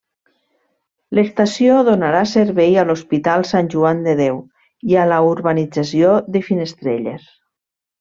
L'estació donarà servei a l'Hospital Sant Joan de Déu i a la urbanització de Finestrelles.